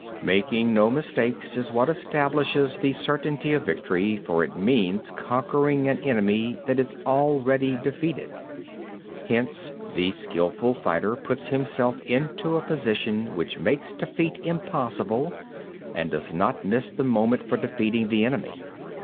Making no mistakes is what establishes the certainty of victory, for it means conquering an enemy that is already defeated. 14. Hence the skilful fighter puts himself into a position which makes defeat impossible, and does not miss the moment for defeating the enemy.